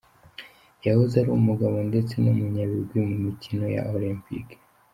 Yahoze ari umugabo ndetse n'umunyabigwi mu mikino ya olempike.